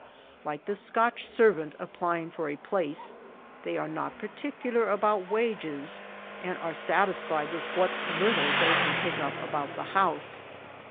Like the Scotch servant applying for a place, they are not particular about wages, and are sat isfied with what little they can pick up about the house.